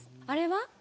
あれは？